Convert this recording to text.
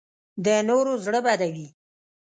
د نورو زړه بدوي